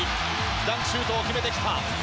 ダンクシュートを決めてきた。